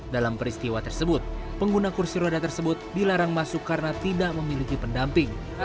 dalam peristiwa tersebut pengguna kursi roda tersebut dilarang masuk karena tidak memiliki pendamping